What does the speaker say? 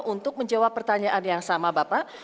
untuk menjawab pertanyaan yang sama bapak